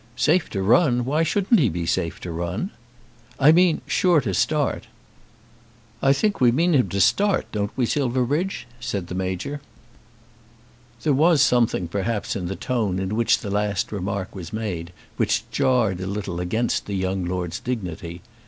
"Safe to run! Why shouldn't he be safe to run?" "I mean sure to start." "I think we mean him to start, don't we, Silverbridge?" said the Major. There was something perhaps in the tone in which the last remark was made which jarred a little against the young lord's dignity.